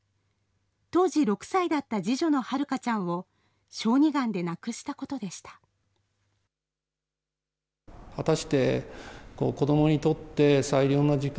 当時６歳だった次女のはるかちゃんを小児がんで亡くしたことでした。